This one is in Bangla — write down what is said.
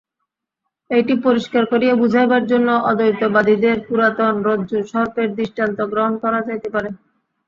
এইটি পরিষ্কার করিয়া বুঝাইবার জন্য অদ্বৈতবাদীদের পুরাতন রজ্জু-সর্পের দৃষ্টান্ত গ্রহণ করা যাইতে পারে।